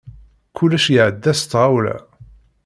Kullec iɛedda s tɣawla.